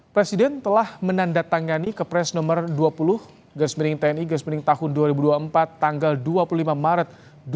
presiden telah menandatangani ke pres nomor dua puluh gersmening tni gersmening tahun dua ribu dua puluh empat tanggal dua puluh lima maret dua ribu dua puluh empat